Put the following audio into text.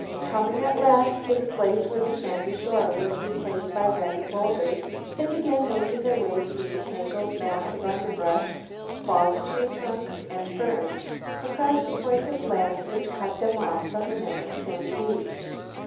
Coming at last to the place where sandy shore was replaced by ragged bowlders, they began making their way through the tangled mass of underbrush, fallen tree trunks and ferns, across the point of land which cut them off from the next sandy beach.